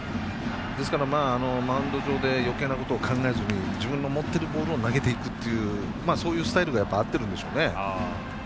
ですから、マウンド上でよけいなことを考えずに自分の持ってるボールを投げていくっていうそういうスタイルが合っているんでしょうね。